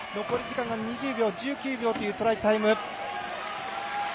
残り時間が２０秒１９秒というトライタイム。